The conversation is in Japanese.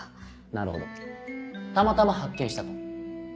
なるほどたまたま発見したと。